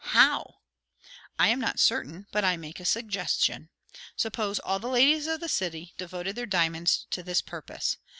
"How?" "I am not certain; but I make a suggestion. Suppose all the ladies of this city devoted their diamonds to this purpose.